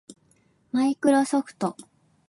マイクロソフト